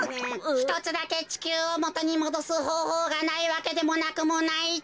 ひとつだけちきゅうをもとにもどすほうほうがないわけでもなくもないってか。